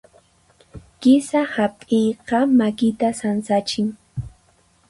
Kisa hap'iyqa makitan sansachin.